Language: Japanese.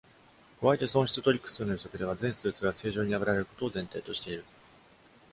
加えて損失トリック数の予測では、全スーツが正常に破られることを前提としている。